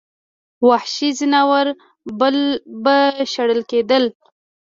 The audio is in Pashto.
وحشي ځناور به شړل کېدل.